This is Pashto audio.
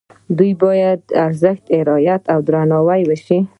باید د دې ارزښت رعایت او درناوی وشي.